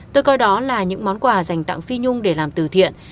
tôi coi đó là những món quà dành tặng phi nhung để làm từ thiện